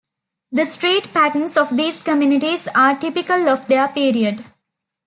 The street pattern of these communities are typical of their period.